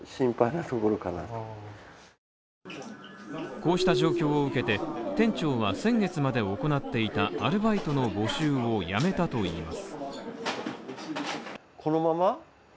こうした状況を受けて店長は先月まで行っていたアルバイトの募集をやめたといいます。